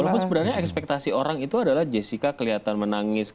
walaupun sebenarnya ekspektasi orang itu adalah jessica kelihatan menangis